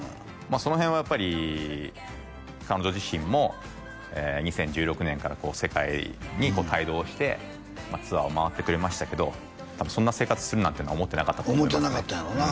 その辺はやっぱり彼女自身も２０１６年から世界に帯同してツアーを回ってくれましたけど多分そんな生活するなんてのは思ってなかったと思いますね思ってなかったんやろうな